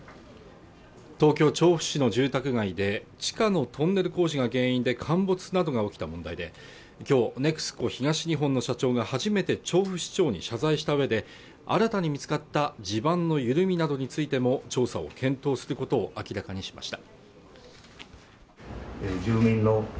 東京調布市の住宅街で地下のトンネル工事が原因で陥没などが起きた問題で今日ＮＥＸＣＯ東日本の社長が初めて調布市長に謝罪したうえで新たに見つかった地盤の緩みなどについても調査を検討することを明らかにしました